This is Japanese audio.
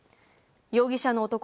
容疑者の男